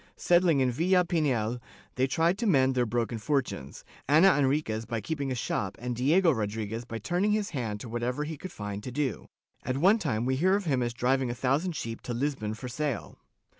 Settling in Villa Pinhel, they tried to mend their broken fortunes. Ana Enriquez by keeping a shop and Diego Rodriguez by turning his hand to whatever he could find to do — at one time we hear of him as driving a thousand sheep to Lisbon for sale.